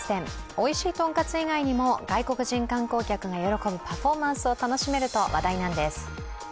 おいしいとんかつ以外にも外国人観光客が喜ぶパフォーマンスを楽しめると話題なんです。